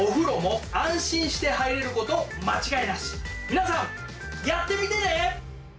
皆さんやってみてね！